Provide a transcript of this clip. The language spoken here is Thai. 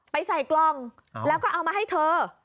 ใส่กล่องแล้วก็เอามาให้เธอ